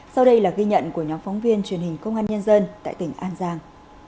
sau đây là ghi nhận của nhóm phóng viên truyền hình công an nhân dân tại tỉnh an giang